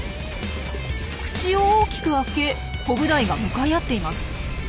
口を大きく開けコブダイが向かい合っています。